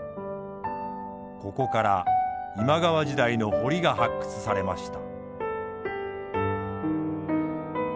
ここから今川時代の堀が発掘されました。